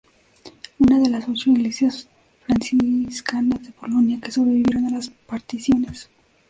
Una de las ocho iglesias franciscanas de Polonia que sobrevivieron a las Particiones.